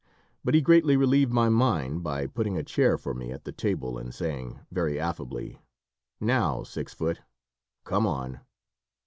But he greatly relieved my mind by putting a chair for me at the table, and saying, very affably: "Now, six foot! come on!"